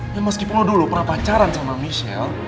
ya meskipun lo dulu pernah pacaran sama michelle